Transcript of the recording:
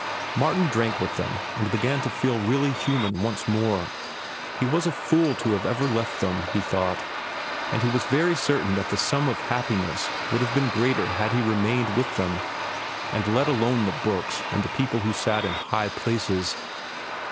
Martin drank with them, and began to feel really human once more. He was a fool to have ever left them, he thought; and he was very certain that his sum of happiness would have been greater had he remained with them and let alone the books and the people who sat in the high places.